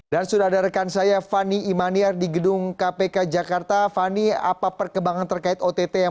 dan sudah ada rekan saya fani imaniar di gedung kpk jakarta fani apa perkembangan terkait ott yang